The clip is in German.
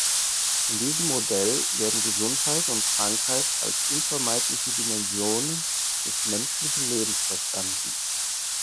In diesem Modell werden Gesundheit und Krankheit als unvermeidliche Dimensionen des menschlichen Lebens verstanden.